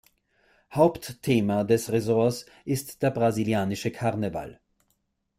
Hauptthema des Resorts ist der brasilianische Karneval.